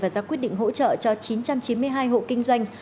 và ra quyết định hỗ trợ cho chín trăm chín mươi hai hộ kinh doanh